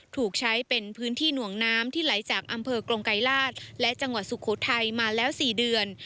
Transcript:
ถูกใช้เป็นพื้นที่หน่วงน้ำที่ไหลจากอำเภอกรงไกรราชและจังหวัดสุโขทัยมาแล้ว๔เดือน